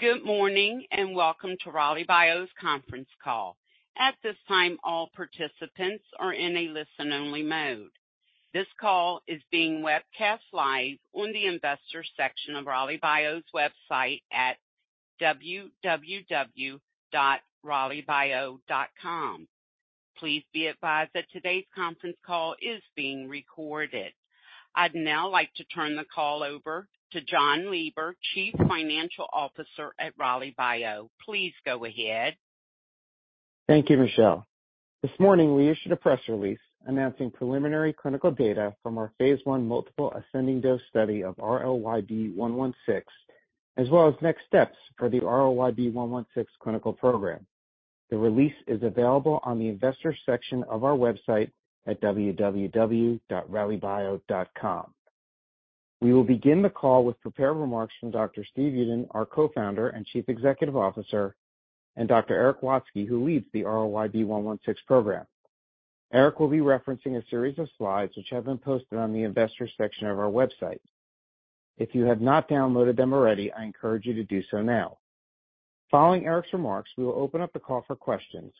Good morning, and welcome to Rallybio's conference call. At this time, all participants are in a listen-only mode. This call is being webcast live on the investor section of Rallybio's website at www.rallybio.com. Please be advised that today's conference call is being recorded. I'd now like to turn the call over to Jonathan Lieber, Chief Financial Officer at Rallybio. Please go ahead. Thank you, Michelle. This morning, we issued a press release announcing preliminary clinical data from our Phase 1 multiple ascending dose study of RLYB116, as well as next steps for the RLYB116 clinical program. The release is available on the investor section of our website at www.rallybio.com. We will begin the call with prepared remarks from Dr. Steve Uden, our Co-founder and Chief Executive Officer, and Dr. Eric Watsky, who leads the RLYB116 program. Eric will be referencing a series of slides which have been posted on the investor section of our website. If you have not downloaded them already, I encourage you to do so now. Following Eric's remarks, we will open up the call for questions.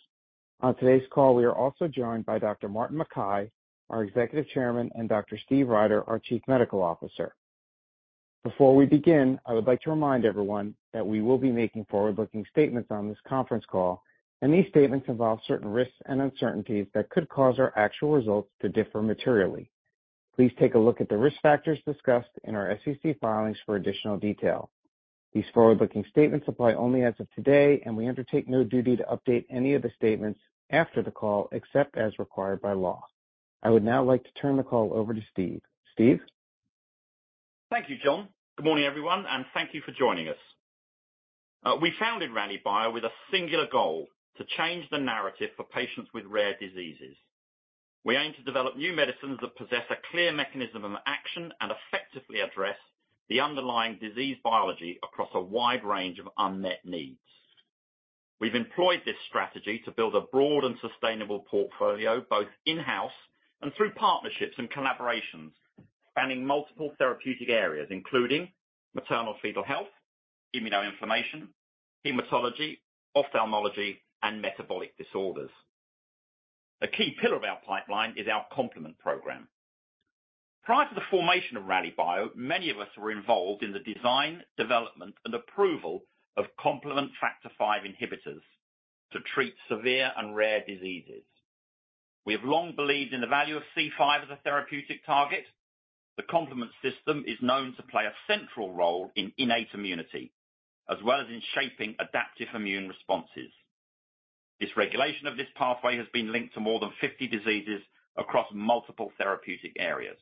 On today's call, we are also joined by Dr. Martin Mackay, our Executive Chairman, and Dr. Steve Ryder, our Chief Medical Officer. Before we begin, I would like to remind everyone that we will be making forward-looking statements on this conference call, and these statements involve certain risks and uncertainties that could cause our actual results to differ materially. Please take a look at the risk factors discussed in our SEC filings for additional detail. These forward-looking statements apply only as of today, and we undertake no duty to update any of the statements after the call, except as required by law. I would now like to turn the call over to Steve. Steve? Thank you, John. Good morning, everyone, and thank you for joining us. We founded Rallybio with a singular goal: to change the narrative for patients with rare diseases. We aim to develop new medicines that possess a clear mechanism of action and effectively address the underlying disease biology across a wide range of unmet needs. We've employed this strategy to build a broad and sustainable portfolio, both in-house and through partnerships and collaborations, spanning multiple therapeutic areas, including maternal-fetal health, immunoinflammation, hematology, ophthalmology, and metabolic disorders. A key pillar of our pipeline is our complement program. Prior to the formation of Rallybio, many of us were involved in the design, development, and approval of complement factor five inhibitors to treat severe and rare diseases. We have long believed in the value of C5 as a therapeutic target. The complement system is known to play a central role in innate immunity, as well as in shaping adaptive immune responses. Dysregulation of this pathway has been linked to more than 50 diseases across multiple therapeutic areas.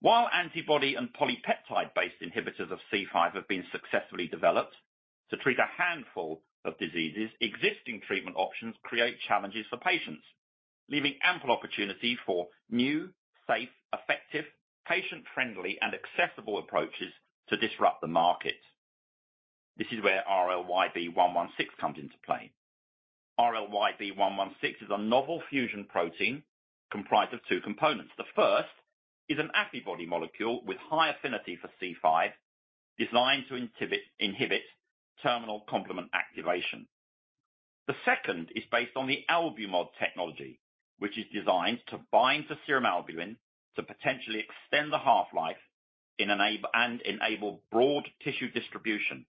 While antibody and polypeptide-based inhibitors of C5 have been successfully developed to treat a handful of diseases, existing treatment options create challenges for patients, leaving ample opportunity for new, safe, effective, patient-friendly, and accessible approaches to disrupt the market. This is where RLYB116 comes into play. RLYB116 is a novel fusion protein comprised of two components. The first is an Affibody molecule with high affinity for C5, designed to inhibit terminal complement activation. The second is based on the Albumod technology, which is designed to bind to serum albumin to potentially extend the half-life and enable broad tissue distribution.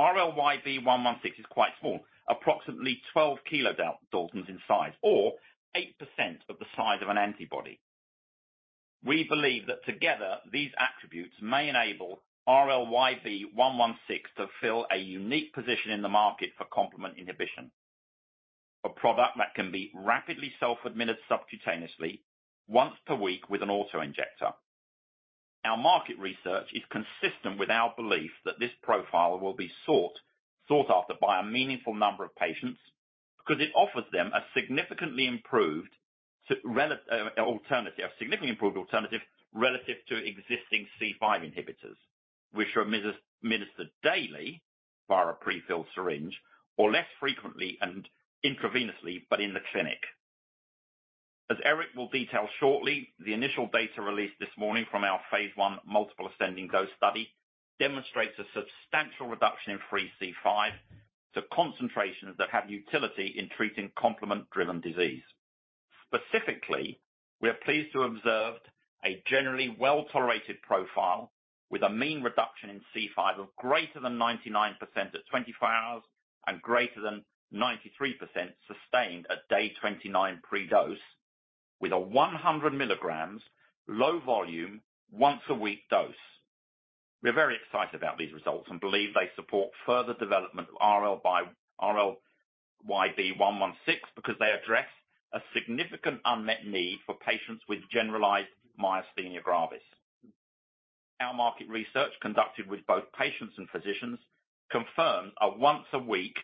RLYB116 is quite small, approximately 12 kilodaltons in size or 8% of the size of an antibody. We believe that together, these attributes may enable RLYB116 to fill a unique position in the market for complement inhibition. A product that can be rapidly self-administered subcutaneously, once per week with an auto-injector. Our market research is consistent with our belief that this profile will be sought, sought after by a meaningful number of patients, because it offers them a significantly improved alternative. A significantly improved alternative relative to existing C5 inhibitors, which are administered daily by a prefilled syringe or less frequently and intravenously, but in the clinic. As Eric will detail shortly, the initial data released this morning from our phase 1 multiple ascending dose study demonstrates a substantial reduction in free C5 to concentrations that have utility in treating complement-driven disease. Specifically, we are pleased to observe a generally well-tolerated profile with a mean reduction in C5 of greater than 99% at 24 hours and greater than 93% sustained at day 29 pre-dose, with a 100 milligrams low volume, once-a-week dose. We're very excited about these results and believe they support further development of RLYB116 because they address a significant unmet need for patients with generalized myasthenia gravis. Our market research, conducted with both patients and physicians, confirms a once-a-week,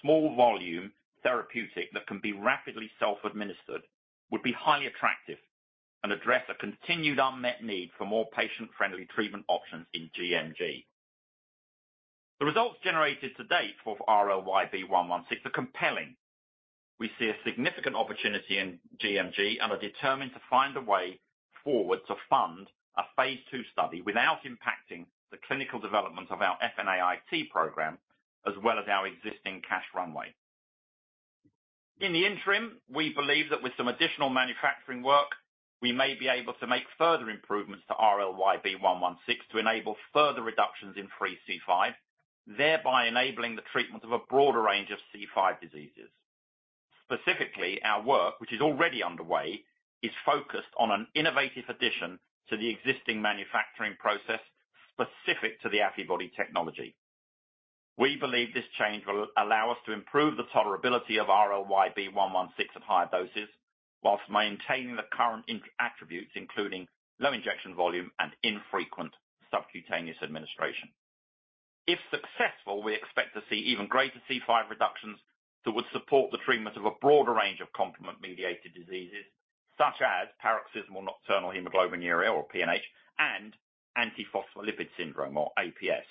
small volume therapeutic that can be rapidly self-administered, would be highly attractive and address a continued unmet need for more patient-friendly treatment options in gMG. The results generated to date for RLYB116 are compelling. We see a significant opportunity in gMG and are determined to find a way forward to fund a phase 2 study without impacting the clinical development of our FNAIT program, as well as our existing cash runway. In the interim, we believe that with some additional manufacturing work, we may be able to make further improvements to RLYB116 to enable further reductions in free C5, thereby enabling the treatment of a broader range of C5 diseases. Specifically, our work, which is already underway, is focused on an innovative addition to the existing manufacturing process specific to the Affibody technology. We believe this change will allow us to improve the tolerability of RLYB116 at higher doses, while maintaining the current attributes, including low injection volume and infrequent subcutaneous administration. If successful, we expect to see even greater C5 reductions that would support the treatment of a broader range of complement-mediated diseases, such as paroxysmal nocturnal hemoglobinuria, or PNH, and antiphospholipid syndrome, or APS.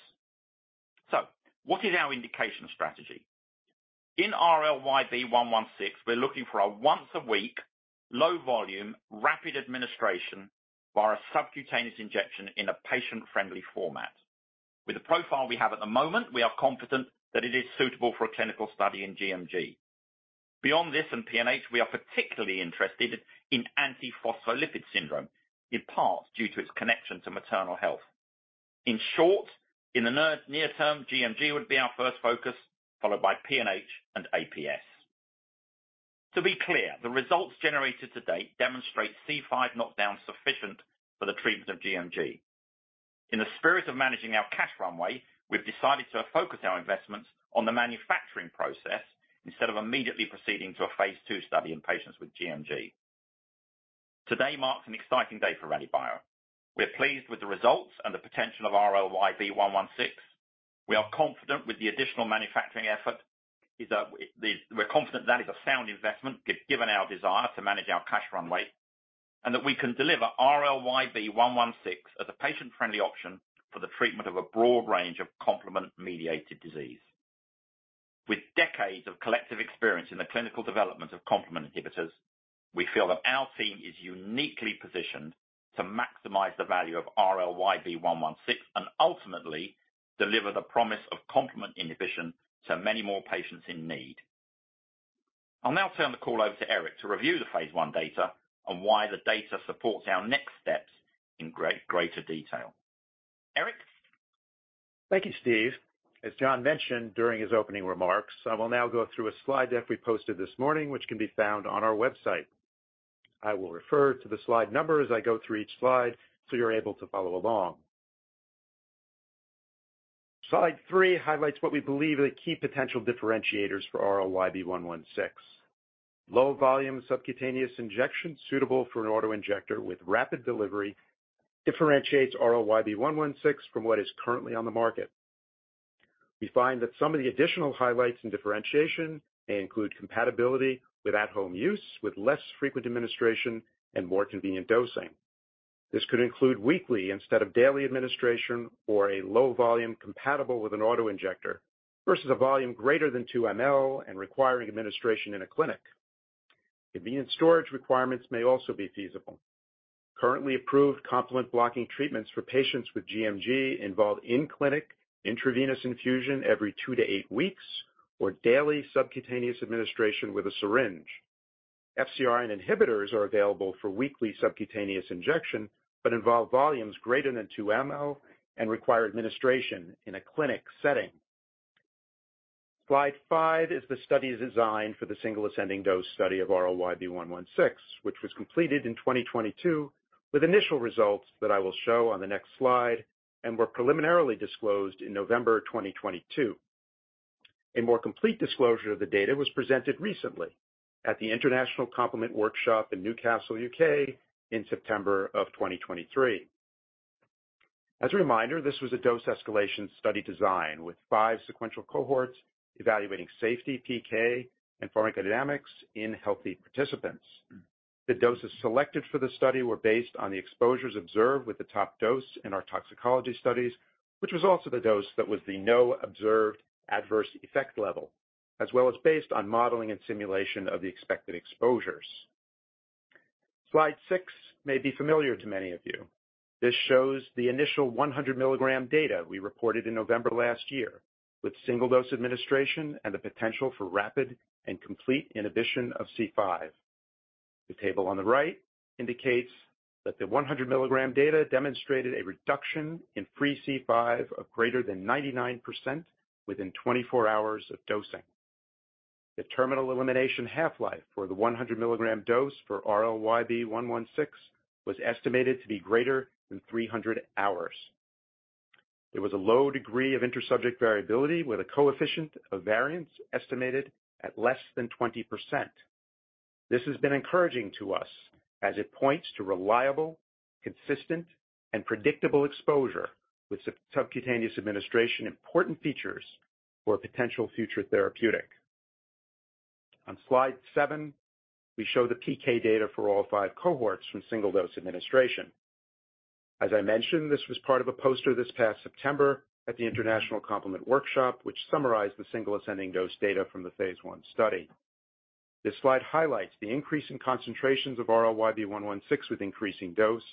So what is our indication strategy? In RLYB116, we're looking for a once-a-week, low volume, rapid administration via a subcutaneous injection in a patient-friendly format. With the profile we have at the moment, we are confident that it is suitable for a clinical study in gMG. Beyond this and PNH, we are particularly interested in antiphospholipid syndrome, in part due to its connection to maternal health. In short, in the near term, gMG would be our first focus, followed by PNH and APS. To be clear, the results generated to date demonstrate C5 knockdown sufficient for the treatment of gMG. In the spirit of managing our cash runway, we've decided to focus our investments on the manufacturing process instead of immediately proceeding to a phase 2 study in patients with gMG. Today marks an exciting day for Rallybio. We're pleased with the results and the potential of RLYB116. We are confident with the additional manufacturing effort, we're confident that is a sound investment, given our desire to manage our cash runway, and that we can deliver RLYB116 as a patient-friendly option for the treatment of a broad range of complement-mediated disease. With decades of collective experience in the clinical development of complement inhibitors, we feel that our team is uniquely positioned to maximize the value of RLYB116 and ultimately deliver the promise of complement inhibition to many more patients in need. I'll now turn the call over to Eric to review the phase 1 data and why the data supports our next steps in greater detail. Eric? Thank you, Steve. As John mentioned during his opening remarks, I will now go through a slide deck we posted this morning, which can be found on our website. I will refer to the slide number as I go through each slide, so you're able to follow along. Slide 3 highlights what we believe are the key potential differentiators for RLYB116. Low volume subcutaneous injection, suitable for an auto-injector with rapid delivery, differentiates RLYB116 from what is currently on the market. We find that some of the additional highlights and differentiation may include compatibility with at-home use, with less frequent administration and more convenient dosing. This could include weekly instead of daily administration, or a low volume compatible with an auto-injector, versus a volume greater than 2 ml and requiring administration in a clinic. Convenient storage requirements may also be feasible. Currently approved complement blocking treatments for patients with gMG involve in-clinic intravenous infusion every 2-8 weeks, or daily subcutaneous administration with a syringe. FcRN inhibitors are available for weekly subcutaneous injection but involve volumes greater than 2 ml and require administration in a clinic setting. Slide 5 is the study design for the single ascending dose study of RLYB116, which was completed in 2022, with initial results that I will show on the next slide and were preliminarily disclosed in November 2022. A more complete disclosure of the data was presented recently at the International Complement Workshop in Newcastle, U.K., in September 2023. As a reminder, this was a dose escalation study design with 5 sequential cohorts evaluating safety, PK, and pharmacodynamics in healthy participants. The doses selected for the study were based on the exposures observed with the top dose in our toxicology studies, which was also the dose that was the no observed adverse effect level, as well as based on modeling and simulation of the expected exposures. Slide 6 may be familiar to many of you. This shows the initial 100 milligram data we reported in November last year, with single-dose administration and the potential for rapid and complete inhibition of C5. The table on the right indicates that the 100 milligram data demonstrated a reduction in free C5 of greater than 99% within 24 hours of dosing. The terminal elimination half-life for the 100 milligram dose for RLYB-116 was estimated to be greater than 300 hours. There was a low degree of inter-subject variability, with a coefficient of variance estimated at less than 20%. This has been encouraging to us as it points to reliable, consistent, and predictable exposure with subcutaneous administration, important features for a potential future therapeutic. On Slide 7, we show the PK data for all 5 cohorts from single-dose administration... As I mentioned, this was part of a poster this past September at the International Complement Workshop, which summarized the single ascending dose data from the phase I study. This slide highlights the increase in concentrations of RLYB116 with increasing dose,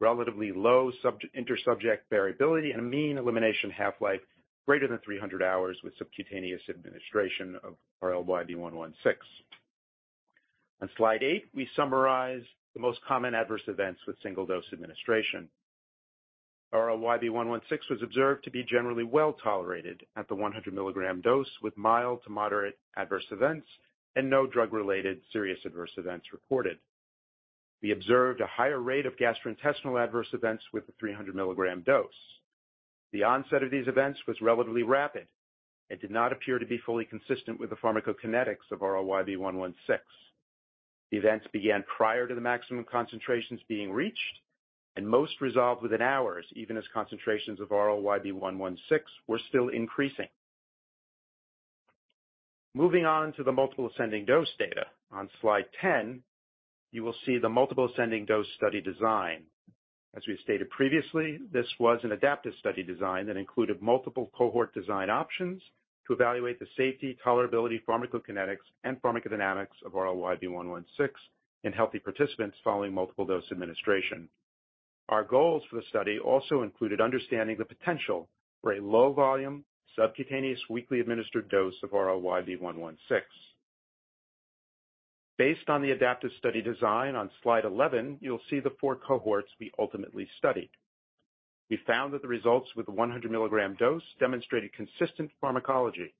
relatively low inter-subject variability, and a mean elimination half-life greater than 300 hours with subcutaneous administration of RLYB116. On Slide 8, we summarize the most common adverse events with single-dose administration. RLYB116 was observed to be generally well-tolerated at the 100 mg dose, with mild to moderate adverse events and no drug-related serious adverse events reported. We observed a higher rate of gastrointestinal adverse events with the 300 milligram dose. The onset of these events was relatively rapid and did not appear to be fully consistent with the pharmacokinetics of RLYB116. The events began prior to the maximum concentrations being reached, and most resolved within hours, even as concentrations of RLYB116 were still increasing. Moving on to the multiple ascending dose data. On Slide 10, you will see the multiple ascending dose study design. As we stated previously, this was an adaptive study design that included multiple cohort design options to evaluate the safety, tolerability, pharmacokinetics, and pharmacodynamics of RLYB116 in healthy participants following multiple dose administration. Our goals for the study also included understanding the potential for a low-volume, subcutaneous, weekly administered dose of RLYB116. Based on the adaptive study design on Slide 11, you'll see the four cohorts we ultimately studied. We found that the results with the 100 mg dose demonstrated consistent pharmacology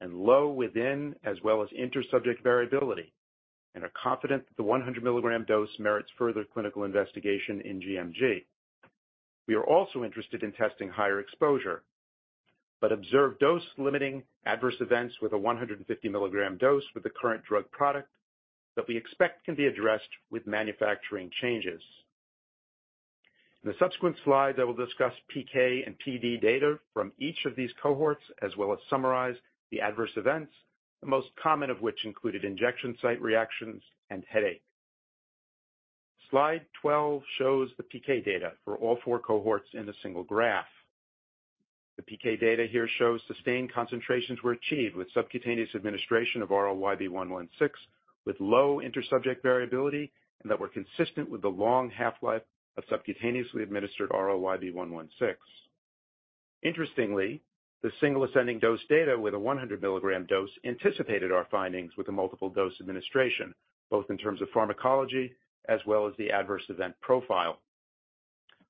and low within, as well as inter-subject variability, and are confident that the 100 mg dose merits further clinical investigation in gMG. We are also interested in testing higher exposure, but observed dose-limiting adverse events with a 150 mg dose with the current drug product that we expect can be addressed with manufacturing changes. In the subsequent slide, I will discuss PK and PD data from each of these cohorts, as well as summarize the adverse events, the most common of which included injection site reactions and headache. Slide 12 shows the PK data for all four cohorts in a single graph. The PK data here shows sustained concentrations were achieved with subcutaneous administration of RLYB116, with low inter-subject variability, and that were consistent with the long half-life of subcutaneously administered RLYB116. Interestingly, the single ascending dose data with a 100 milligram dose anticipated our findings with a multiple dose administration, both in terms of pharmacology as well as the adverse event profile.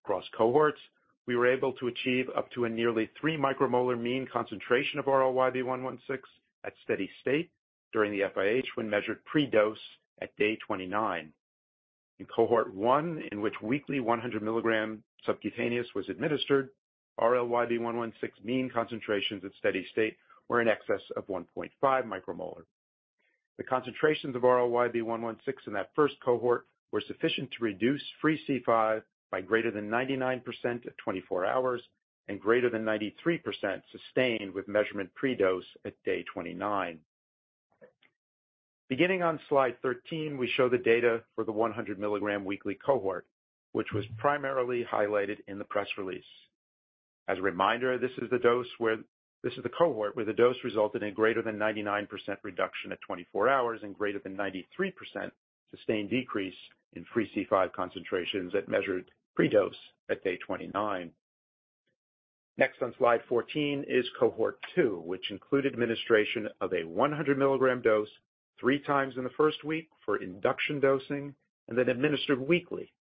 Across cohorts, we were able to achieve up to a nearly 3 micromolar mean concentration of RLYB-116 at steady state during the FIH, when measured pre-dose at day 29. In Cohort One, in which weekly 100 milligram subcutaneous was administered, RLYB-116 mean concentrations at steady state were in excess of 1.5 micromolar. The concentrations of RLYB-116 in that first cohort were sufficient to reduce free C5 by greater than 99% at 24 hours and greater than 93% sustained with measurement pre-dose at day 29. Beginning on slide 13, we show the data for the 100 milligram weekly cohort, which was primarily highlighted in the press release. As a reminder, this is the dose where this is the cohort where the dose resulted in greater than 99% reduction at 24 hours and greater than 93% sustained decrease in free C5 concentrations at measured pre-dose at day 29. Next on Slide 14 is Cohort Two, which included administration of a 100 milligram dose 3 times in the first week for induction dosing and then administered weekly.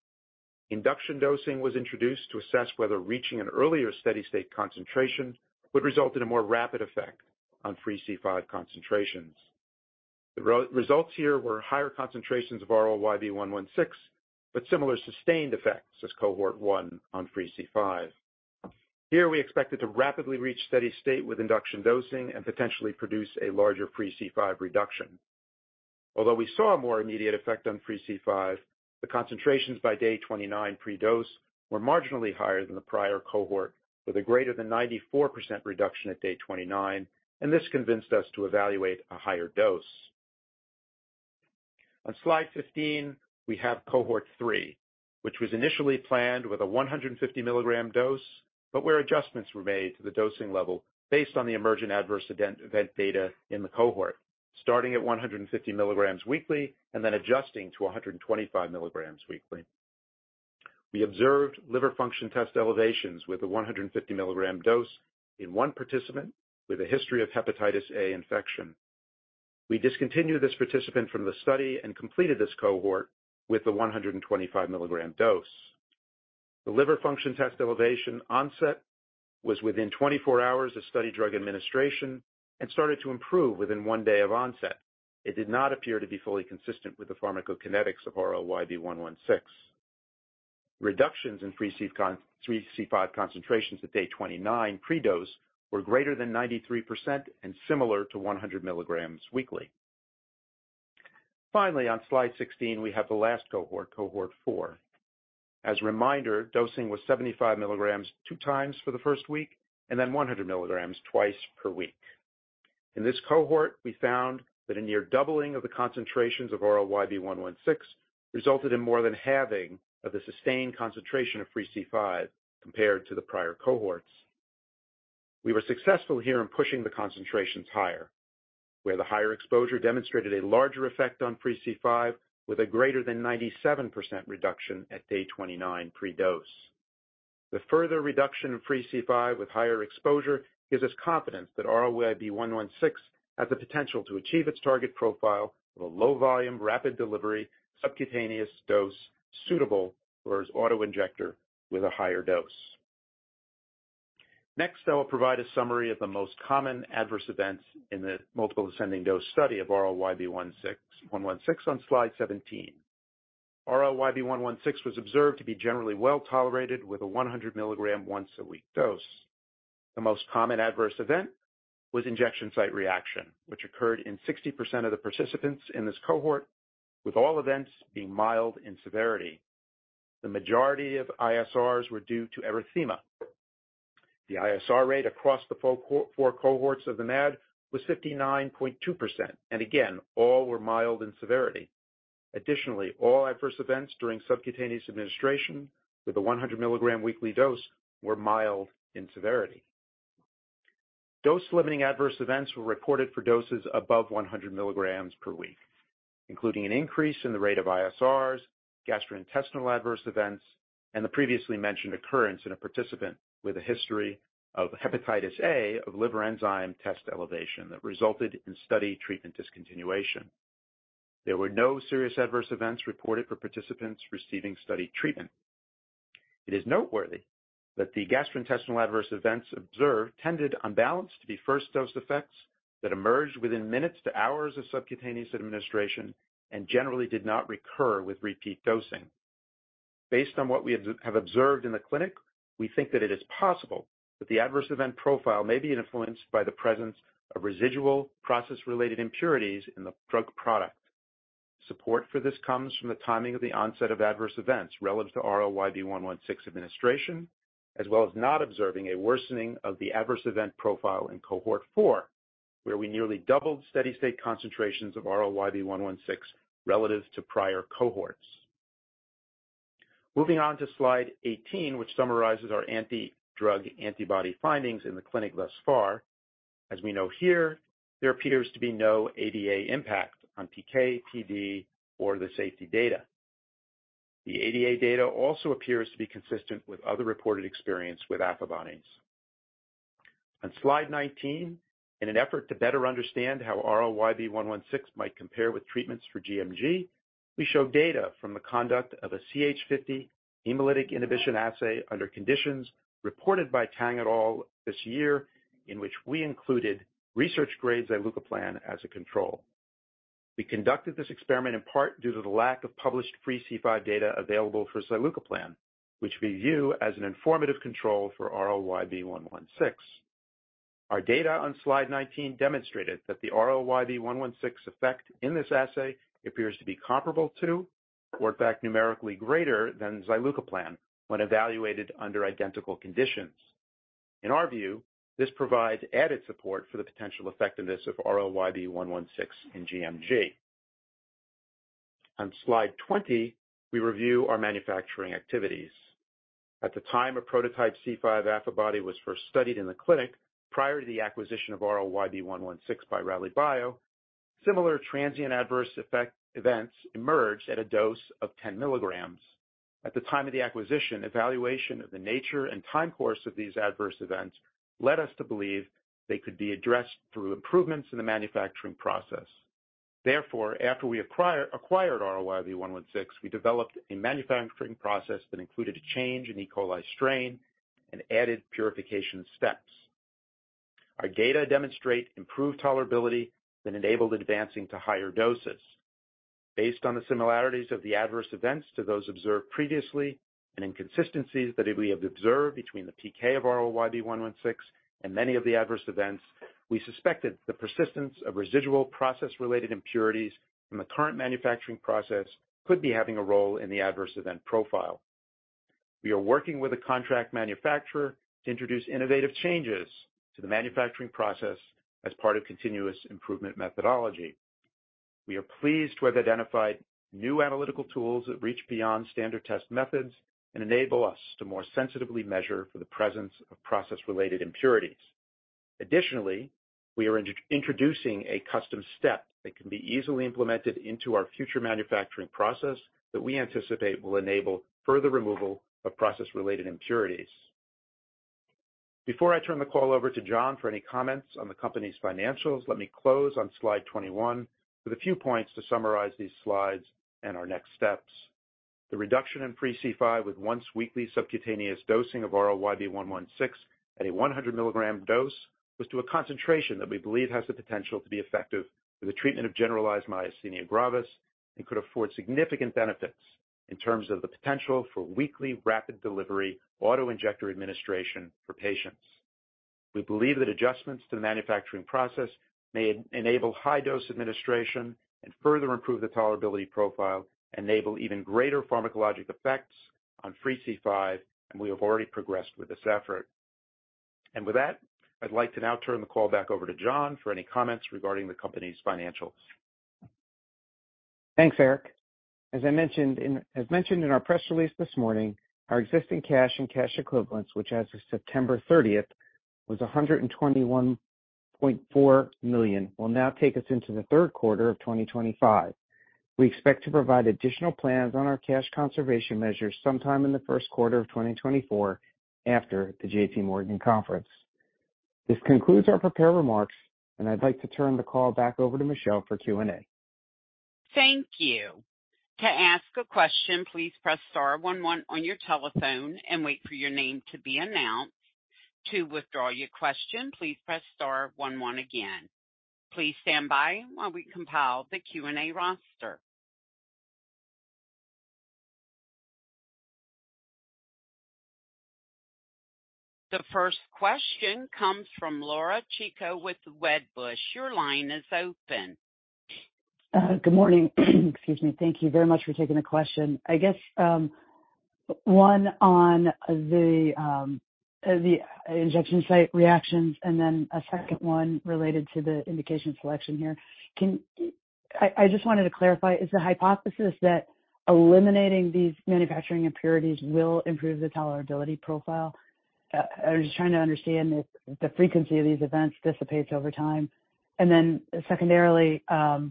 Induction dosing was introduced to assess whether reaching an earlier steady-state concentration would result in a more rapid effect on free C5 concentrations. The results here were higher concentrations of RLYB116, but similar sustained effects as Cohort One on free C5. Here, we expected to rapidly reach steady state with induction dosing and potentially produce a larger free C5 reduction. Although we saw a more immediate effect on free C5, the concentrations by day 29 pre-dose were marginally higher than the prior cohort, with a greater than 94% reduction at day 29, and this convinced us to evaluate a higher dose. On Slide 15, we have Cohort Three, which was initially planned with a 150 mg dose, but where adjustments were made to the dosing level based on the emergent adverse event, event data in the cohort, starting at 150 mg weekly and then adjusting to a 125 mg weekly. We observed liver function test elevations with a 150 mg dose in one participant with a history of hepatitis A infection. We discontinued this participant from the study and completed this cohort with the 125 mg dose. The liver function test elevation onset was within 24 hours of study drug administration and started to improve within 1 day of onset. It did not appear to be fully consistent with the pharmacokinetics of RLYB116. Reductions in free C5 concentrations at day 29 pre-dose were greater than 93% and similar to 100 milligrams weekly. Finally, on Slide 16, we have the last cohort, Cohort 4. As a reminder, dosing was 75 milligrams 2 times for the first week and then 100 milligrams twice per week. In this cohort, we found that a near doubling of the concentrations of RLYB116 resulted in more than halving of the sustained concentration of free C5 compared to the prior cohorts. We were successful here in pushing the concentrations higher, where the higher exposure demonstrated a larger effect on free C5, with a greater than 97% reduction at day 29 pre-dose. The further reduction in free C5 with higher exposure gives us confidence that RLYB116 has the potential to achieve its target profile of a low-volume, rapid delivery, subcutaneous dose suitable for an auto-injector with a higher dose. Next, I will provide a summary of the most common adverse events in the multiple ascending dose study of RLYB116 on slide 17. RLYB116 was observed to be generally well-tolerated with a 100 mg once-a-week dose. The most common adverse event was injection site reaction, which occurred in 60% of the participants in this cohort, with all events being mild in severity. The majority of ISRs were due to erythema. The ISR rate across the 4 cohorts of the MAD was 59.2%, and again, all were mild in severity. Additionally, all adverse events during subcutaneous administration with a 100 mg weekly dose were mild in severity. Dose-limiting adverse events were reported for doses above 100 mg per week, including an increase in the rate of ISRs, gastrointestinal adverse events, and the previously mentioned occurrence in a participant with a history of hepatitis A, of liver enzyme test elevation that resulted in study treatment discontinuation. There were no serious adverse events reported for participants receiving study treatment. It is noteworthy that the gastrointestinal adverse events observed tended unbalanced to be first dose effects that emerged within minutes to hours of subcutaneous administration and generally did not recur with repeat dosing. Based on what we have observed in the clinic, we think that it is possible that the adverse event profile may be influenced by the presence of residual process-related impurities in the drug product. Support for this comes from the timing of the onset of adverse events relative to RLYB116 administration, as well as not observing a worsening of the adverse event profile in cohort 4, where we nearly doubled steady-state concentrations of RLYB116 relative to prior cohorts. Moving on to slide 18, which summarizes our anti-drug antibody findings in the clinic thus far. As we know here, there appears to be no ADA impact on PK, PD, or the safety data. The ADA data also appears to be consistent with other reported experience with Affibodies. On slide 19, in an effort to better understand how RLYB116 might compare with treatments for gMG, we show data from the conduct of a CH50 hemolytic inhibition assay under conditions reported by Tang et al. this year, in which we included research-grade zilucoplan as a control. We conducted this experiment in part due to the lack of published free C5 data available for zilucoplan, which we view as an informative control for RLYB116. Our data on slide 19 demonstrated that the RLYB116 effect in this assay appears to be comparable to, or in fact, numerically greater than zilucoplan when evaluated under identical conditions. In our view, this provides added support for the potential effectiveness of RLYB116 in gMG. On slide 20, we review our manufacturing activities. At the time a prototype C5 Affibody was first studied in the clinic, prior to the acquisition of RLYB116 by Rallybio, similar transient adverse effect events emerged at a dose of 10 milligrams. At the time of the acquisition, evaluation of the nature and time course of these adverse events led us to believe they could be addressed through improvements in the manufacturing process. Therefore, after we acquired RLYB116, we developed a manufacturing process that included a change in E. coli strain and added purification steps. Our data demonstrate improved tolerability that enabled advancing to higher doses. Based on the similarities of the adverse events to those observed previously and inconsistencies that we have observed between the PK of RLYB116 and many of the adverse events, we suspected the persistence of residual process-related impurities from the current manufacturing process could be having a role in the adverse event profile. We are working with a contract manufacturer to introduce innovative changes to the manufacturing process as part of continuous improvement methodology. We are pleased to have identified new analytical tools that reach beyond standard test methods and enable us to more sensitively measure for the presence of process-related impurities. Additionally, we are introducing a custom step that can be easily implemented into our future manufacturing process that we anticipate will enable further removal of process-related impurities. Before I turn the call over to John for any comments on the company's financials, let me close on slide 21 with a few points to summarize these slides and our next steps. The reduction in free C5 with once-weekly subcutaneous dosing of RLYB116 at a 100 milligram dose, was to a concentration that we believe has the potential to be effective for the treatment of generalized myasthenia gravis, and could afford significant benefits in terms of the potential for weekly rapid delivery auto-injector administration for patients. We believe that adjustments to the manufacturing process may enable high dose administration and further improve the tolerability profile, enable even greater pharmacologic effects.... on free C5, and we have already progressed with this effort. And with that, I'd like to now turn the call back over to John for any comments regarding the company's financials. Thanks, Eric. As mentioned in our press release this morning, our existing cash and cash equivalents, which as of September 30 was $121.4 million, will now take us into the third quarter of 2025. We expect to provide additional plans on our cash conservation measures sometime in the first quarter of 2024, after the J.P. Morgan conference. This concludes our prepared remarks, and I'd like to turn the call back over to Michelle for Q&A. Thank you. To ask a question, please press star one one on your telephone and wait for your name to be announced. To withdraw your question, please press star one one again. Please stand by while we compile the Q&A roster. The first question comes from Laura Chico with Wedbush. Your line is open. Good morning. Excuse me. Thank you very much for taking the question. I guess, one on the, the injection site reactions, and then a second one related to the indication selection here. I just wanted to clarify, is the hypothesis that eliminating these manufacturing impurities will improve the tolerability profile? I was just trying to understand if the frequency of these events dissipates over time. And then secondarily, you know,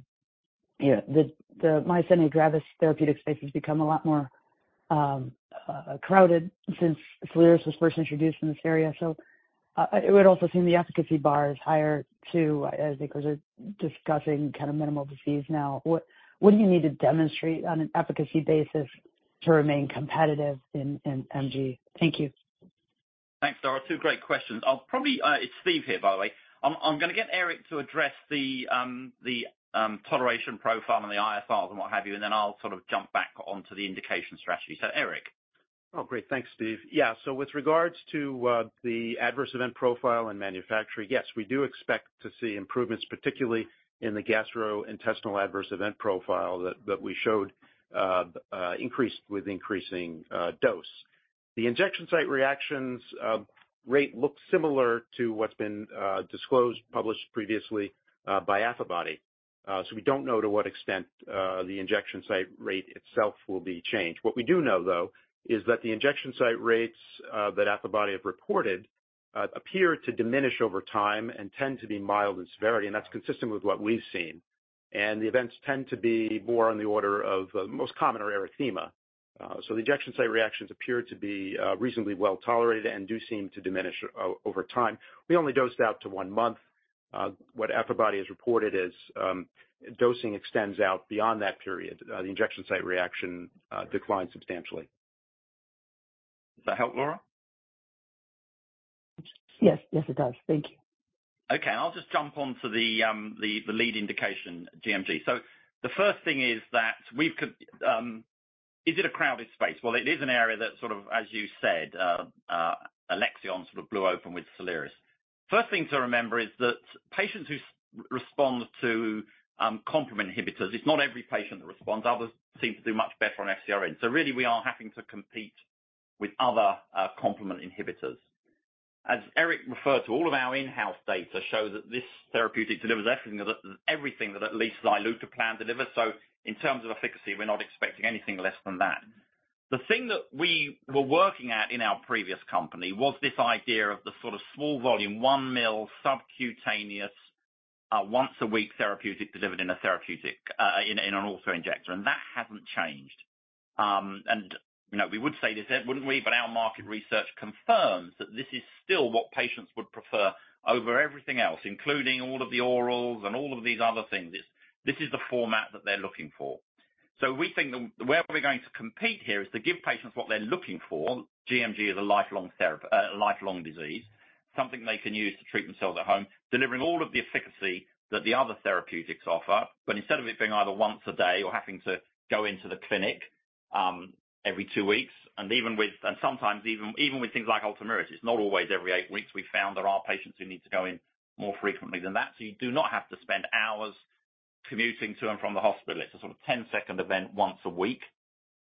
the, the myasthenia gravis therapeutic space has become a lot more crowded since Soliris was first introduced in this area. So, it would also seem the efficacy bar is higher, too, as because they're discussing kind of minimal disease now. What do you need to demonstrate on an efficacy basis to remain competitive in gMG? Thank you. Thanks, Laura. Two great questions. I'll probably. It's Steve here, by the way. I'm gonna get Eric to address the toleration profile and the ISRs and what have you, and then I'll sort of jump back onto the indication strategy. So, Eric? Oh, great. Thanks, Steve. Yeah, so with regards to the adverse event profile and manufacturing, yes, we do expect to see improvements, particularly in the gastrointestinal adverse event profile that we showed increased with increasing dose. The injection site reactions rate looks similar to what's been disclosed, published previously by Affibody. So we don't know to what extent the injection site rate itself will be changed. What we do know, though, is that the injection site rates that Affibody have reported appear to diminish over time and tend to be mild in severity, and that's consistent with what we've seen. And the events tend to be more on the order of most common are erythema. So the injection site reactions appear to be reasonably well tolerated and do seem to diminish over time. We only dosed out to one month. What Affibody has reported is, dosing extends out beyond that period. The injection site reaction declines substantially. Does that help, Laura? Yes. Yes, it does. Thank you. Okay, and I'll just jump onto the lead indication, gMG. So the first thing is that we've, is it a crowded space? Well, it is an area that sort of, as you said, Alexion sort of blew open with Soliris. First thing to remember is that patients who respond to complement inhibitors, it's not every patient that responds. Others seem to do much better on FcRN. So really, we are having to compete with other complement inhibitors. As Eric referred to, all of our in-house data show that this therapeutic delivers everything that, everything that at least zilucoplan delivers. So in terms of efficacy, we're not expecting anything less than that. The thing that we were working at in our previous company was this idea of the sort of small volume, 1 ml subcutaneous, once a week therapeutic delivered in an auto-injector, and that hasn't changed. And, you know, we would say this, wouldn't we? But our market research confirms that this is still what patients would prefer over everything else, including all of the orals and all of these other things. This, this is the format that they're looking for. So we think that where we're going to compete here is to give patients what they're looking for. gMG is a lifelong disease, something they can use to treat themselves at home, delivering all of the efficacy that the other therapeutics offer. But instead of it being either once a day or having to go into the clinic every two weeks, and even with things like Ultomiris, it's not always every eight weeks. We've found there are patients who need to go in more frequently than that. So you do not have to spend hours commuting to and from the hospital. It's a sort of 10-second event once a week.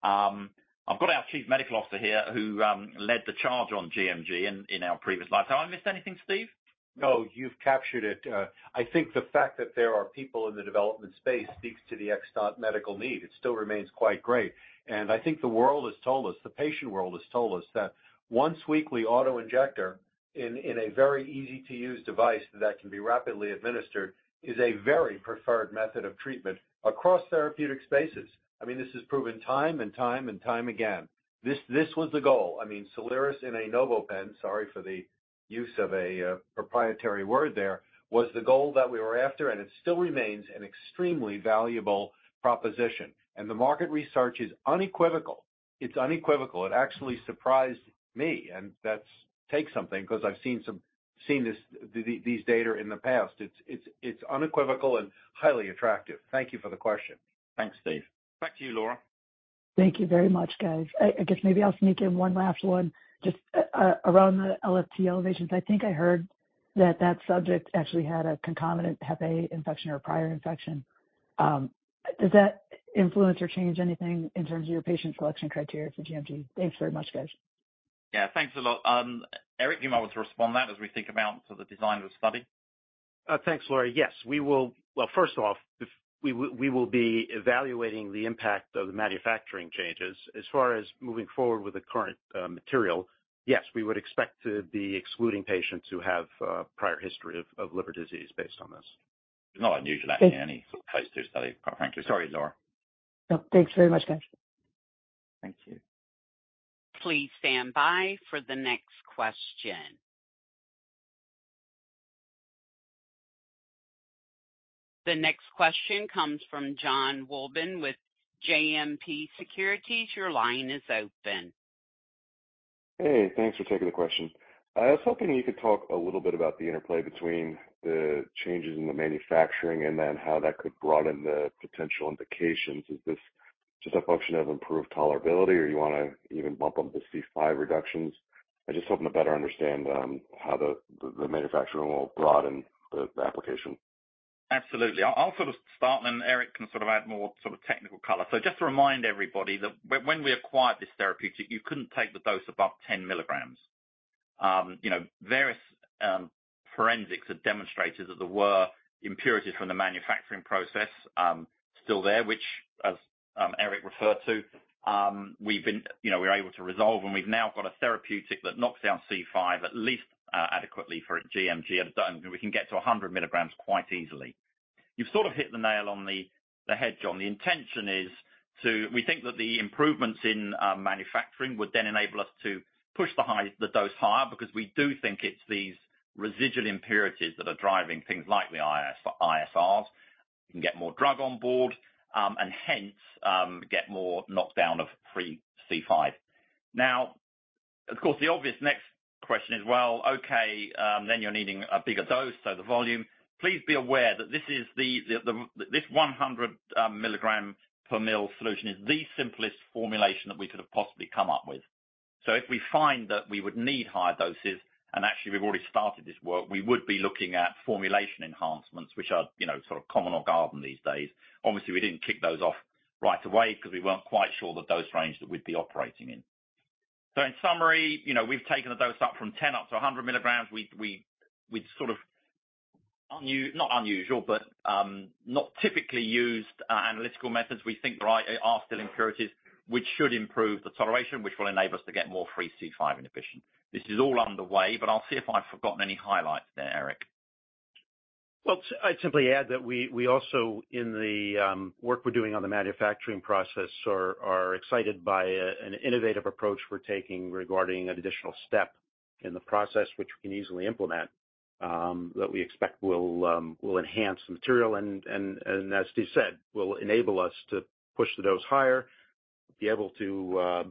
I've got our Chief Medical Officer here, who led the charge on gMG in our previous life. Have I missed anything, Steve? No, you've captured it. I think the fact that there are people in the development space speaks to the extant medical need. It still remains quite great. I think the world has told us, the patient world has told us, that once-weekly auto-injector in a very easy-to-use device that can be rapidly administered, is a very preferred method of treatment across therapeutic spaces. I mean, this is proven time and time and time again. This was the goal. I mean, Soliris in a NovoPen, sorry for the use of a proprietary word there, was the goal that we were after, and it still remains an extremely valuable proposition. The market research is unequivocal. It's unequivocal. It actually surprised me, and that's saying something, because I've seen these data in the past. It's unequivocal and highly attractive. Thank you for the question. Thanks, Steve. Back to you, Laura. Thank you very much, guys. I guess maybe I'll sneak in one last one, just around the LFT elevations. I think I heard that subject actually had a concomitant hep A infection or prior infection. Does that influence or change anything in terms of your patient selection criteria for gMG? Thanks very much, guys. Yeah, thanks a lot. Eric, do you mind to respond to that as we think about sort of the design of the study? Thanks, Laura. Yes, we will. Well, first off, if we will be evaluating the impact of the manufacturing changes. As far as moving forward with the current material, yes, we would expect to be excluding patients who have prior history of liver disease, based on this. It's not unusual, actually, in any sort of phase two study, quite frankly. Sorry, Laura. No, thanks very much, guys. Thank you. Please stand by for the next question. The next question comes from John Wolleben with JMP Securities. Your line is open. Hey, thanks for taking the question. I was hoping you could talk a little bit about the interplay between the changes in the manufacturing and then how that could broaden the potential indications. Is this just a function of improved tolerability, or you wanna even bump up the C5 reductions? I just hoping to better understand how the manufacturing will broaden the application. Absolutely. I'll sort of start, and Eric can sort of add more sort of technical color. So just to remind everybody that when we acquired this therapeutic, you couldn't take the dose above 10 milligrams. You know, various forensics have demonstrated that there were impurities from the manufacturing process still there, which as Eric referred to, we've been. You know, we're able to resolve, and we've now got a therapeutic that knocks down C5 at least adequately for gMG, and we can get to 100 milligrams quite easily. You've sort of hit the nail on the head, John. The intention is to. We think that the improvements in manufacturing would then enable us to push the dose higher, because we do think it's these residual impurities that are driving things like the ISR, ISRs. We can get more drug on board, and hence, get more knockdown of free C5. Now, of course, the obvious next question is, well, okay, then you're needing a bigger dose, so the volume. Please be aware that this is the 100 milligram per ml solution is the simplest formulation that we could have possibly come up with. So if we find that we would need higher doses, and actually, we've already started this work, we would be looking at formulation enhancements, which are, you know, sort of common or garden these days. Obviously, we didn't kick those off right away because we weren't quite sure the dose range that we'd be operating in. So in summary, you know, we've taken the dose up from 10 up to 100 milligrams. We've sort of not unusual, but not typically used analytical methods. We think there are still impurities, which should improve the toleration, which will enable us to get more free C5 inhibition. This is all underway, but I'll see if I've forgotten any highlights there, Eric. Well, I'd simply add that we also, in the work we're doing on the manufacturing process, are excited by an innovative approach we're taking regarding an additional step in the process, which we can easily implement, that we expect will enhance the material and, as Steve said, will enable us to push the dose higher, be able to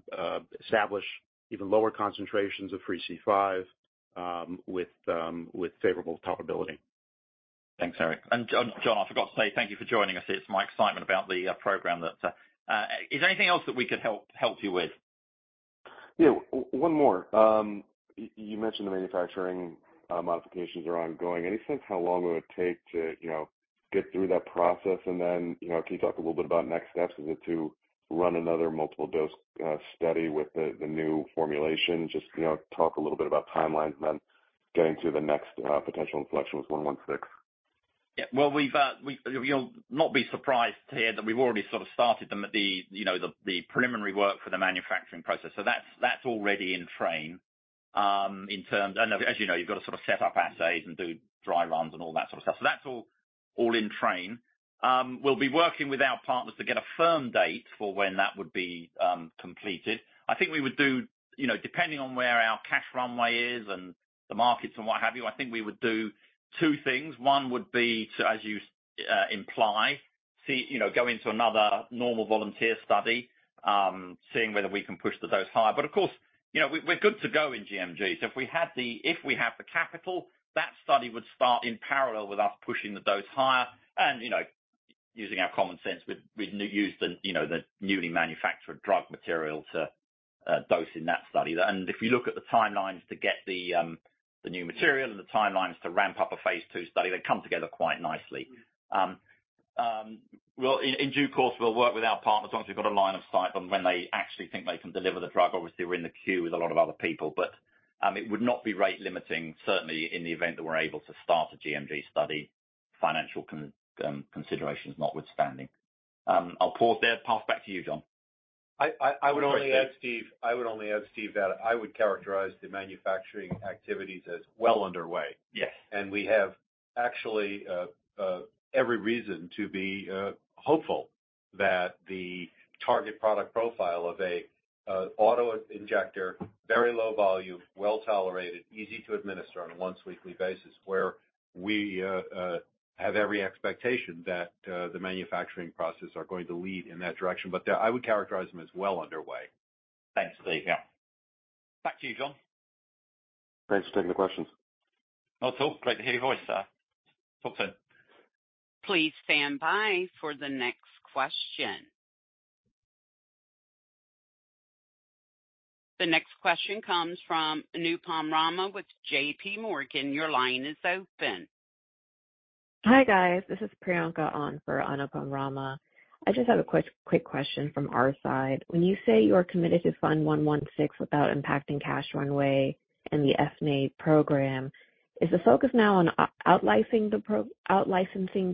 establish even lower concentrations of free C5, with favorable tolerability. Thanks, Eric. And John, John, I forgot to say thank you for joining us. It's my excitement about the program that... Is there anything else that we could help you with? Yeah. One more. You mentioned the manufacturing modifications are ongoing. Any sense how long it would take to, you know, get through that process? And then, you know, can you talk a little bit about next steps? Is it to run another multiple dose study with the, the new formulation? Just, you know, talk a little bit about timelines and then getting to the next potential inflection with 116. Yeah. Well, we've. You'll not be surprised to hear that we've already sort of started the, you know, the preliminary work for the manufacturing process. So that's already in train. And as you know, you've got to sort of set up assays and do dry runs and all that sort of stuff. So that's all in train. We'll be working with our partners to get a firm date for when that would be completed. I think we would do, you know, depending on where our cash runway is and the markets and what have you, I think we would do two things. One would be to, as you imply, see, you know, go into another normal volunteer study, seeing whether we can push the dose higher. But of course, you know, we're good to go in gMG. So if we have the capital, that study would start in parallel with us pushing the dose higher and, you know, using our common sense, we'd use the newly manufactured drug material to dose in that study. And if you look at the timelines to get the new material and the timelines to ramp up a phase two study, they come together quite nicely. Well, in due course, we'll work with our partners once we've got a line of sight on when they actually think they can deliver the drug. Obviously, we're in the queue with a lot of other people, but it would not be rate limiting, certainly in the event that we're able to start a gMG study, financial considerations notwithstanding. I'll pause there. Pass back to you, John. I would only add, Steve. I would only add, Steve, that I would characterize the manufacturing activities as well underway. Yes. We have actually every reason to be hopeful that the target product profile of an auto-injector, very low volume, well-tolerated, easy to administer on a once-weekly basis, where we have every expectation that the manufacturing processes are going to lead in that direction, but I would characterize them as well underway. Thanks, Steve. Yeah. Back to you, John. Thanks for taking the questions. Not at all. Great to hear your voice, sir. Talk soon. Please stand by for the next question.... The next question comes from Anupam Rama with JP Morgan. Your line is open. Hi, guys. This is Priyanka on for Anupam Rama. I just have a quick question from our side. When you say you are committed to fund 116 without impacting cash runway in the FNAIT program, is the focus now on out-licensing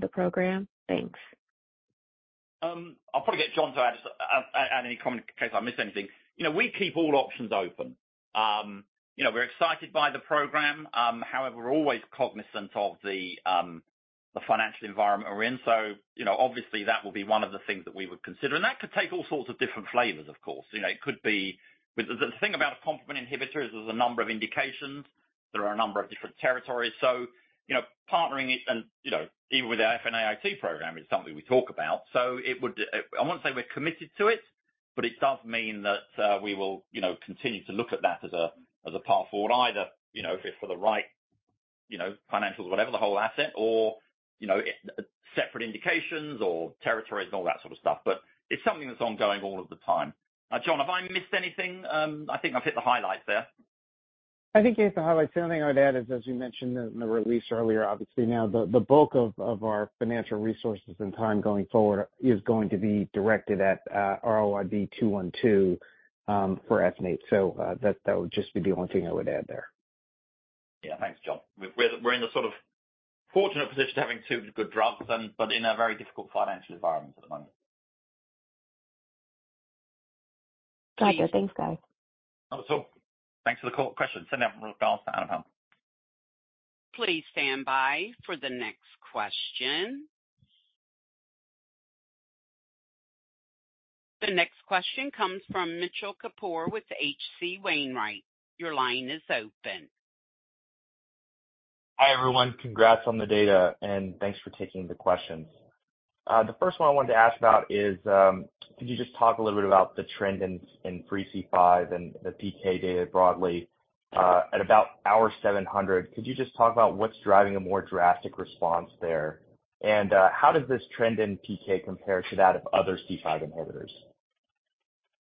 the program? Thanks. I'll probably get John to add any comment in case I miss anything. You know, we keep all options open. You know, we're excited by the program. However, we're always cognizant of the financial environment we're in. So, you know, obviously, that will be one of the things that we would consider, and that could take all sorts of different flavors, of course. You know, it could be... With the thing about a complement inhibitor is there's a number of indications. There are a number of different territories. So, you know, partnering it and, you know, even with our FNAIT program, is something we talk about. So it would... I won't say we're committed to it, but it does mean that we will, you know, continue to look at that as a path forward. Either, you know, if for the right, you know, financial, whatever, the whole asset or, you know, it, separate indications or territories and all that sort of stuff. But it's something that's ongoing all of the time. John, have I missed anything? I think I've hit the highlights there. I think you hit the highlights. The only thing I would add is, as you mentioned in the release earlier, obviously now the bulk of our financial resources and time going forward is going to be directed at RLYB212 for FNAIT. So, that would just be the only thing I would add there. Yeah. Thanks, John. We're in the sort of fortunate position of having two good drugs and, but in a very difficult financial environment at the moment. Gotcha. Thanks, guys. Thanks for the call, question. Send out response to Anupam. Please stand by for the next question. The next question comes from Mitchell Kapoor with HC Wainwright. Your line is open. Hi, everyone. Congrats on the data, and thanks for taking the questions. The first one I wanted to ask about is, could you just talk a little bit about the trend in, in free C5 and the PK data broadly, at about 700, could you just talk about what's driving a more drastic response there? And, how does this trend in PK compare to that of other C5 inhibitors?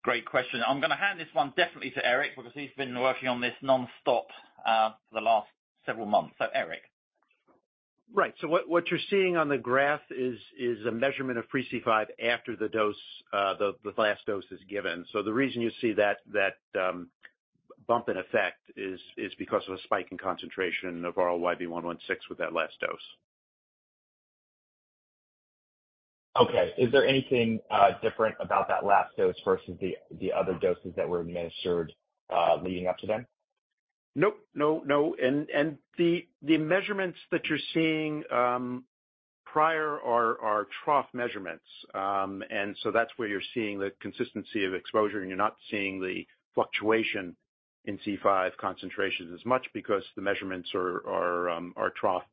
Great question. I'm gonna hand this one definitely to Eric, because he's been working on this nonstop for the last several months. So, Eric. Right. So what you're seeing on the graph is a measurement of free C5 after the dose, the last dose is given. So the reason you see that bump in effect is because of a spike in concentration of RLYB116 with that last dose. Okay. Is there anything different about that last dose versus the other doses that were administered leading up to them? Nope. No, no, and the measurements that you're seeing prior are trough measurements. And so that's where you're seeing the consistency of exposure, and you're not seeing the fluctuation in C5 concentrations as much because the measurements are trough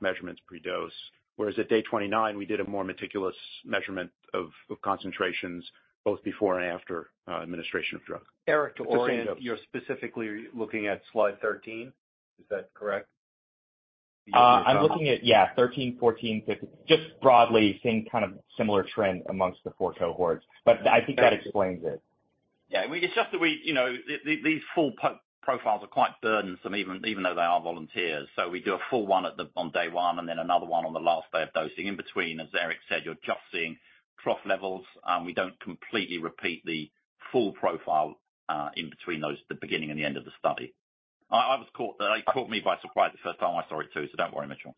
measurements pre-dose. Whereas at day 29, we did a more meticulous measurement of concentrations both before and after administration of drug. Eric, to orient, you're specifically looking at slide 13, is that correct? I'm looking at, yeah, 13, 14, 50. Just broadly seeing kind of similar trend among the four cohorts. But I think that explains it. Yeah, it's just that we, you know, these full profiles are quite burdensome, even though they are volunteers. So we do a full one on day one and then another one on the last day of dosing. In between, as Eric said, you're just seeing trough levels, and we don't completely repeat the full profile in between those, the beginning and the end of the study. It caught me by surprise the first time I saw it, too, so don't worry, Mitchell.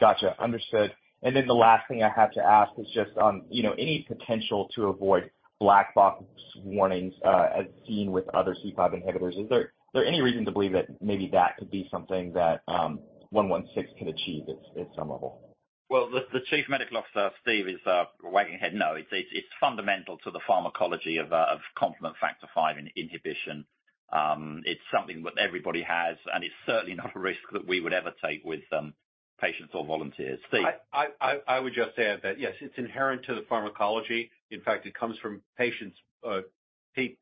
Gotcha. Understood. And then the last thing I had to ask is just on, you know, any potential to avoid black box warnings as seen with other C5 inhibitors. Is there any reason to believe that maybe that could be something that 116 could achieve at some level? Well, the Chief Medical Officer, Steve, is shaking head. No, it's fundamental to the pharmacology of complement factor 5 inhibition. It's something that everybody has, and it's certainly not a risk that we would ever take with patients or volunteers. Steve? I would just add that, yes, it's inherent to the pharmacology. In fact, it comes from patients,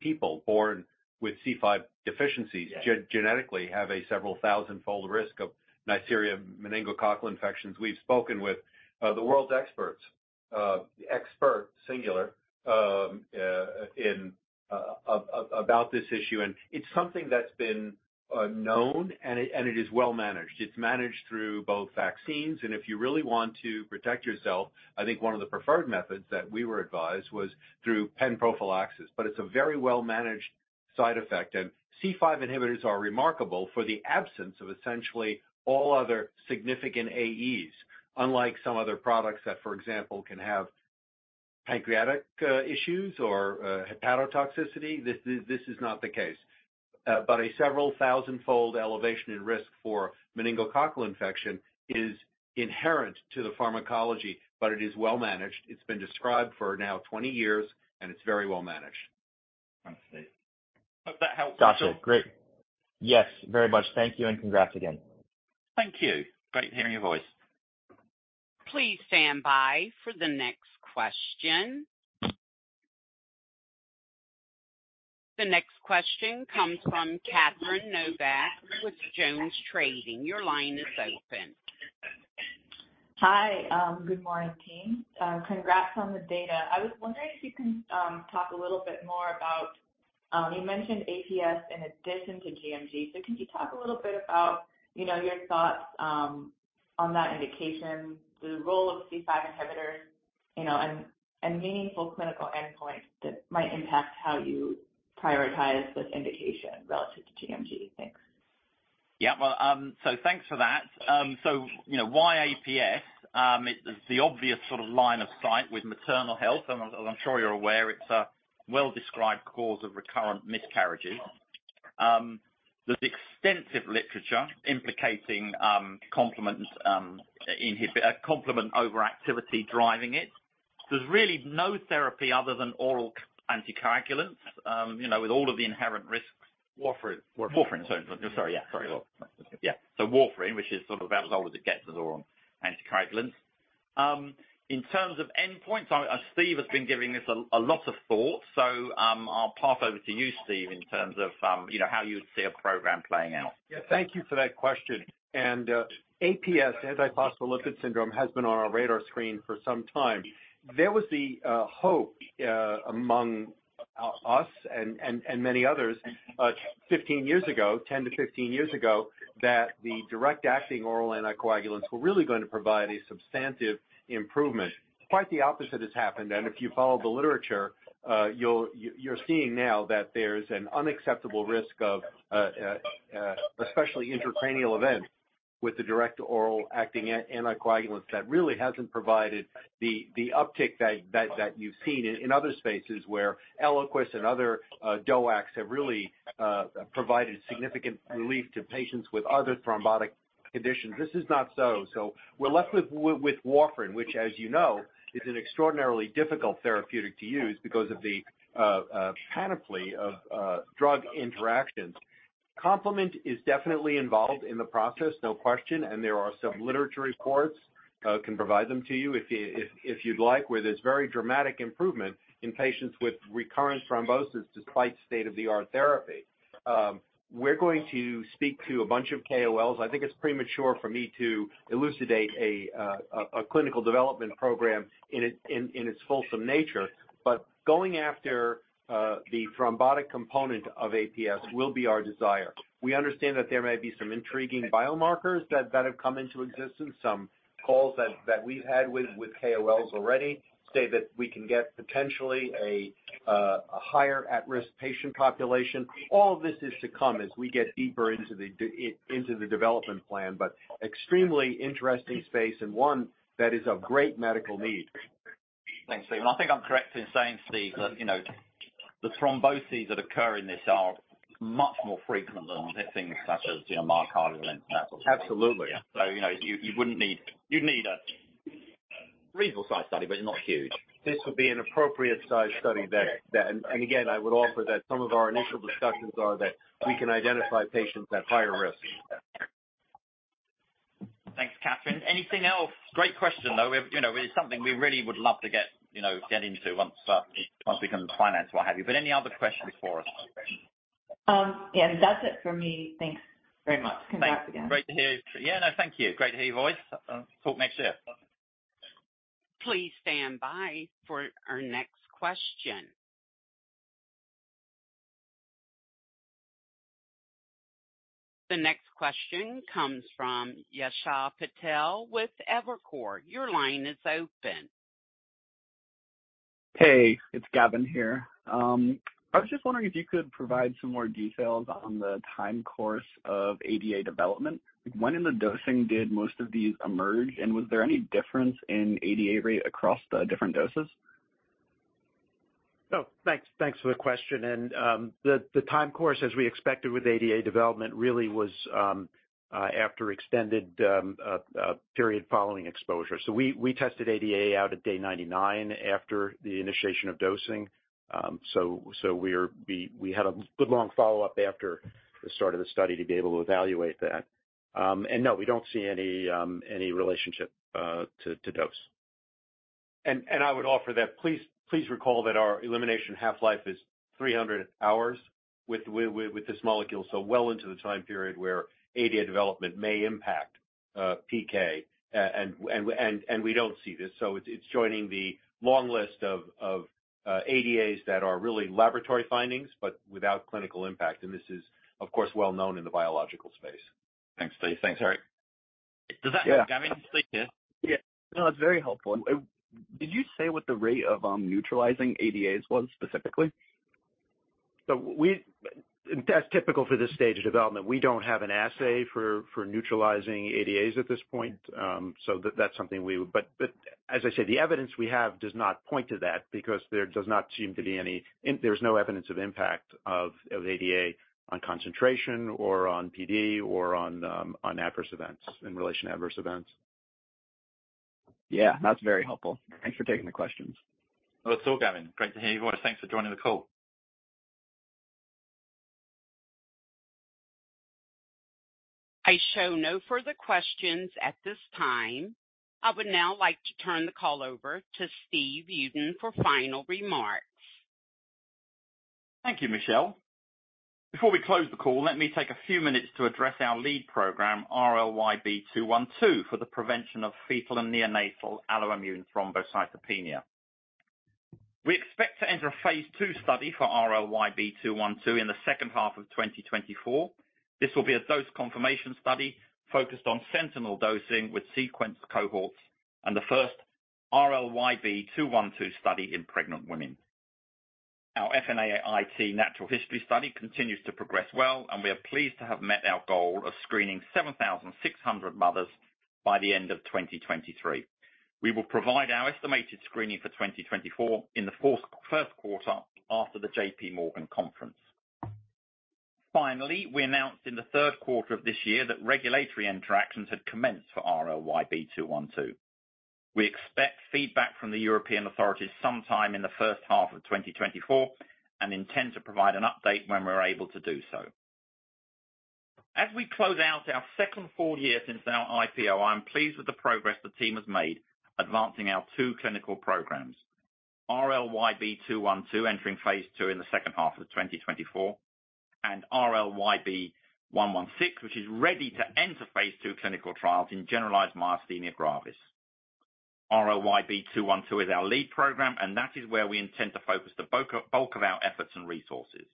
people born with C5 deficiencies- Yeah Genetically, have a several thousand-fold risk of Neisseria meningococcal infections. We've spoken with the world's experts, expert, singular, in about this issue, and it's something that's been known, and it, and it is well managed. It's managed through both vaccines, and if you really want to protect yourself, I think one of the preferred methods that we were advised was through pen prophylaxis. But it's a very well-managed side effect, and C5 inhibitors are remarkable for the absence of essentially all other significant AEs, unlike some other products that, for example, can have pancreatic issues or hepatotoxicity. This is, this is not the case. But a several thousand-fold elevation in risk for meningococcal infection is inherent to the pharmacology, but it is well managed. It's been described for now 20 years, and it's very well managed. Thanks, Steve. Hope that helped, Mitchell. Gotcha. Great. Yes, very much. Thank you, and congrats again. Thank you. Great hearing your voice. Please stand by for the next question. The next question comes from Catherine Novack with Jones Trading. Your line is open.... Hi, good morning, team. Congrats on the data. I was wondering if you can talk a little bit more about you mentioned APS in addition to GMG. So can you talk a little bit about, you know, your thoughts on that indication, the role of C5 inhibitors, you know, and meaningful clinical endpoints that might impact how you prioritize this indication relative to GMG? Thanks. Yeah. Well, so thanks for that. So, you know, why APS? It, the obvious sort of line of sight with maternal health, and as I'm sure you're aware, it's a well-described cause of recurrent miscarriages. There's extensive literature implicating complement overactivity driving it. There's really no therapy other than oral anticoagulants, you know, with all of the inherent risks. Warfarin. Warfarin, which is sort of about as old as it gets as oral anticoagulants. In terms of endpoints, Steve has been giving this a lot of thought. So, I'll pass over to you, Steve, in terms of, you know, how you would see a program playing out. Yeah, thank you for that question. And, APS, antiphospholipid syndrome, has been on our radar screen for some time. There was the hope among us and many others 15 years ago, 10-15 years ago, that the direct-acting oral anticoagulants were really going to provide a substantive improvement. Quite the opposite has happened, and if you follow the literature, you're seeing now that there's an unacceptable risk of, especially intracranial events with the direct oral anticoagulants that really hasn't provided the uptick that you've seen in other spaces where Eliquis and other DOACs have really provided significant relief to patients with other thrombotic conditions. This is not so. So we're left with warfarin, which, as you know, is an extraordinarily difficult therapeutic to use because of the panoply of drug interactions. Complement is definitely involved in the process, no question, and there are some literature reports, can provide them to you if you'd like, where there's very dramatic improvement in patients with recurrent thrombosis despite state-of-the-art therapy. We're going to speak to a bunch of KOLs. I think it's premature for me to elucidate a clinical development program in its fulsome nature, but going after the thrombotic component of APS will be our desire. We understand that there may be some intriguing biomarkers that have come into existence. Some calls that we've had with KOLs already say that we can get potentially a higher at-risk patient population. All of this is to come as we get deeper into the development plan, but extremely interesting space and one that is of great medical need. Thanks, Steve. I think I'm correct in saying, Steve, that, you know, the thromboses that occur in this are much more frequent than things such as, you know, myocardial and whatnot. Absolutely. You know, you wouldn't need... You'd need a reasonable-sized study, but not huge. This would be an appropriate size study that. And again, I would offer that some of our initial discussions are that we can identify patients at higher risk. Thanks, Catherine. Anything else? Great question, though. We have, you know, it's something we really would love to get, you know, get into once, once we can finance, what have you. But any other questions before us? Yeah, that's it for me. Thanks. Very much. Thanks again. Great to hear. Yeah, no, thank you. Great to hear your voice. Talk next year. Please stand by for our next question. The next question comes from Yasha Patel with Evercore. Your line is open. Hey, it's Gavin here. I was just wondering if you could provide some more details on the time course of ADA development. When in the dosing did most of these emerge, and was there any difference in ADA rate across the different doses? Oh, thanks. Thanks for the question. And the time course, as we expected with ADA development, really was after extended period following exposure. So we tested ADA out at day 99 after the initiation of dosing. So we had a good long follow-up after the start of the study to be able to evaluate that. And no, we don't see any relationship to dose. And I would offer that, please recall that our elimination half-life is 300 hours with this molecule, so well into the time period where ADA development may impact PK. And we don't see this, so it's joining the long list of ADAs that are really laboratory findings, but without clinical impact. This is, of course, well known in the biological space. Thanks, Steve. Thanks, Uncertain. Does that, Gavin, stick to you? Yeah. No, it's very helpful. Did you say what the rate of neutralizing ADAs was specifically? That's typical for this stage of development. We don't have an assay for neutralizing ADAs at this point. So that's something we would. But as I said, the evidence we have does not point to that because there does not seem to be any. There's no evidence of impact of ADA on concentration or on PD or on adverse events, in relation to adverse events. Yeah, that's very helpful. Thanks for taking the questions. Well, it's all Gavin. Great to hear your voice. Thanks for joining the call. I show no further questions at this time. I would now like to turn the call over to Stephen Uden for final remarks. ...Thank you, Michelle. Before we close the call, let me take a few minutes to address our lead program, RLYB212, for the prevention of fatal and neonatal alloimmune thrombocytopenia. We expect to enter a phase two study for RRLYB212 in the second half of 2024. This will be a dose confirmation study focused on sentinel dosing with sequenced cohorts and the first RLYB212 study in pregnant women. Our FNAIT Natural History study continues to progress well, and we are pleased to have met our goal of screening 7,600 mothers by the end of 2023. We will provide our estimated screening for 2024 in the first quarter after the JP Morgan conference. Finally, we announced in the Q3 of this year that regulatory interactions had commenced for RLYB212. We expect feedback from the European authorities sometime in the first half of 2024 and intend to provide an update when we're able to do so. As we close out our second full year since our IPO, I'm pleased with the progress the team has made advancing our two clinical programs. RLYB212, entering phase 2 in the second half of 2024, and RLYB116, which is ready to enter phase 2 clinical trials in generalized myasthenia gravis. RLYB212 is our lead program, and that is where we intend to focus the bulk of our efforts and resources.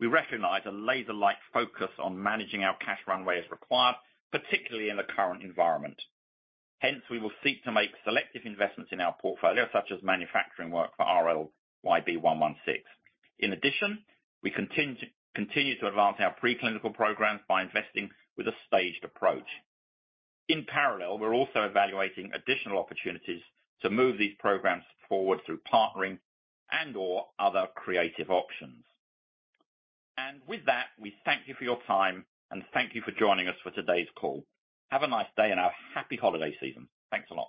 We recognize a laser-like focus on managing our cash runway as required, particularly in the current environment. Hence, we will seek to make selective investments in our portfolio, such as manufacturing work for RLYB116. In addition, we continue to advance our preclinical programs by investing with a staged approach. In parallel, we're also evaluating additional opportunities to move these programs forward through partnering and or other creative options. With that, we thank you for your time, and thank you for joining us for today's call. Have a nice day, and a happy holiday season. Thanks a lot.